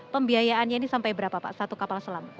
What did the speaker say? pembiayaannya ini sampai berapa pak satu kapal selam